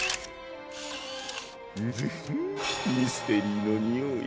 ンヅフッミステリーのにおい。